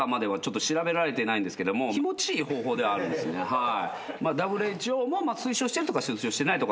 はい。